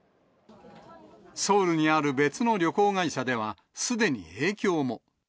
ソウルにある別の旅行会社では、すでに影響も。